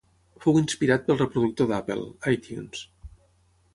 Fou inspirat pel reproductor d'Apple, iTunes.